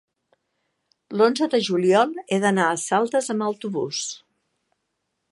l'onze de juliol he d'anar a Saldes amb autobús.